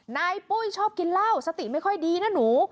ปุ้ยชอบกินเหล้าสติไม่ค่อยดีนะหนู